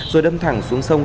rồi đâm thẳng xuống sông